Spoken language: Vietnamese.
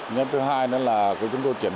nhân thứ hai nữa là chúng tôi chuyển sang